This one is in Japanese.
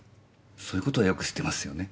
そういうことはよく知ってますよね。